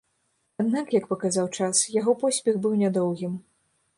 Аднак, як паказаў час, яго поспех быў нядоўгім.